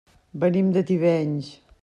Venim de Tivenys.